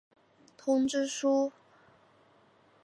通知书。